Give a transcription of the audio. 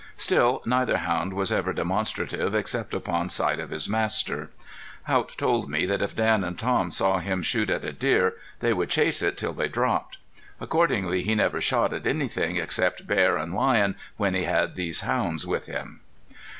Still neither hound was ever demonstrative except upon sight of his master. Haught told me that if Dan and Tom saw him shoot at a deer they would chase it till they dropped; accordingly he never shot at anything except bear and lion when he had these hounds with him.